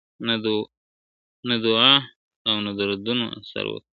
نه دعا او نه درودونو اثر وکړ ,